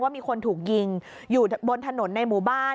มีคนถูกยิงอยู่บนถนนในหมู่บ้าน